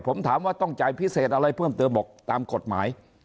ผมถามว่าต้องจ่ายพิเศษอะไรเพิ่มเติมบอกตามกฎหมาย